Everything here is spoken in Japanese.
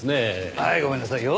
はいごめんなさいよ。